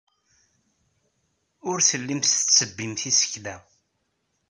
Ur tellimt tettebbimt isekla.